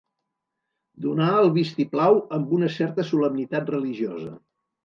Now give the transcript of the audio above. Donar el vist-i-plau amb una certa solemnitat religiosa.